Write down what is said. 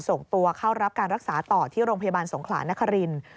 ส่งตัวเข้ารับการรักษาต่อที่โรงพยาบาลสงขลานครินทร์